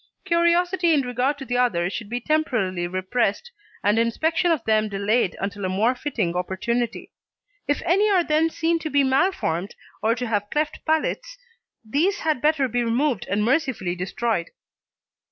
Curiosity in regard to the others should be temporarily repressed, and inspection of them delayed until a more fitting opportunity. If any are then seen to be malformed or to have cleft palates, these had better be removed and mercifully destroyed.